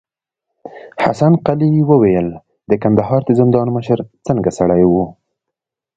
حسن قلي وويل: د کندهار د زندان مشر څنګه سړی و؟